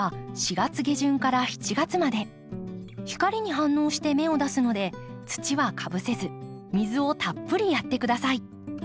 光に反応して芽を出すので土はかぶせず水をたっぷりやって下さい。